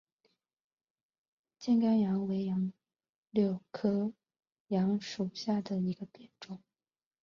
箭杆杨为杨柳科杨属下的一个变种。